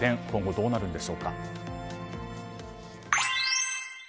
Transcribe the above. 今後、どうなるんでしょうか。